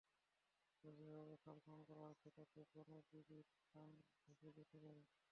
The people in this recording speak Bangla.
তবে যেভাবে খাল খনন করা হচ্ছে তাতে বনবিবির থান ভেসে যেতে পারে।